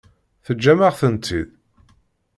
Teǧǧam-aɣ-tent-id?